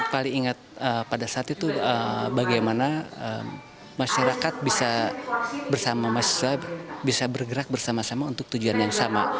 paling ingat pada saat itu bagaimana masyarakat bisa bergerak bersama sama untuk tujuan yang sama